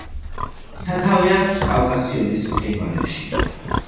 სათავე აქვს კავკასიონის მყინვარებში.